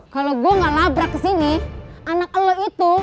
kalo gua gak labrak kesini anak lu itu